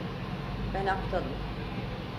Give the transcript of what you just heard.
Ben aptalım.